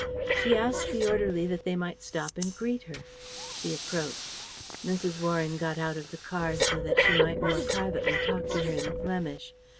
She asked the orderly that they might stop and greet her. She approached. Mrs. Warren got out of the car so that she might more privately talk to her in Flemish.